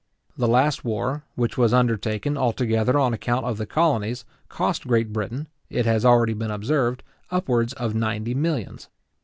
The last war, which was undertaken altogether on account of the colonies, cost Great Britain, it has already been observed, upwards of ninety millions.